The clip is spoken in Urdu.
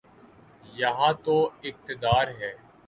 یہاں تو اقتدار ہے۔